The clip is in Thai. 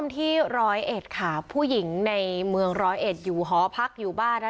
ที่ร้อยเอ็ดค่ะผู้หญิงในเมืองร้อยเอ็ดอยู่หอพักอยู่บ้านนะ